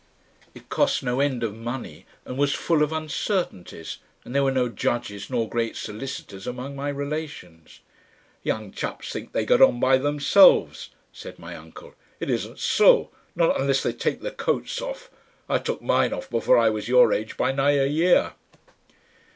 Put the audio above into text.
It cost no end of money, and was full of uncertainties, and there were no judges nor great solicitors among my relations. "Young chaps think they get on by themselves," said my uncle. "It isn't so. Not unless they take their coats off. I took mine off before I was your age by nigh a year."